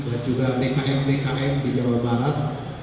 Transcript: dan juga dkm dkm di jawa barat